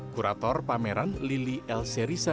kurator pameran lili el serisa